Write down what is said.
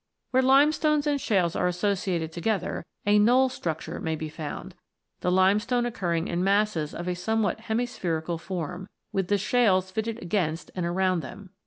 Where limestones and shales are associated together, a "knoll structure" may be found, the limestone occurring in masses of a somewhat hemi spherical form, with the shales fitted against and round them.